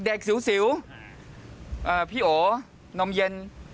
เด็กสิวพี่โอนมเย็น